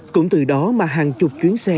cũng từ đó mà hàng chục chuyến xe